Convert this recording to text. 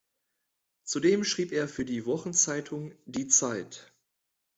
Zudem schrieb er für die Wochenzeitung Die Zeit.